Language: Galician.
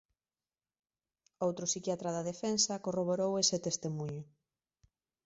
Outro psiquiatra da defensa corroborou ese testemuño.